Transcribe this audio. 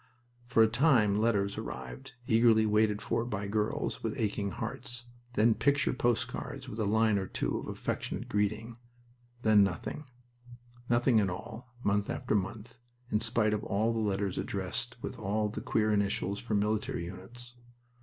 For a time letters arrived, eagerly waited for by girls with aching hearts. Then picture post cards with a line or two of affectionate greeting. Then nothing. Nothing at all, month after month, in spite of all the letters addressed with all the queer initials for military units.